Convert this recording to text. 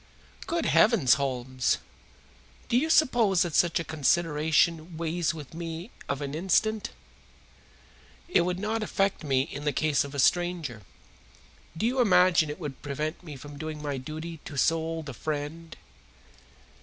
"Good heavens, Holmes! Do you suppose that such a consideration weighs with me of an instant? It would not affect me in the case of a stranger. Do you imagine it would prevent me from doing my duty to so old a friend?"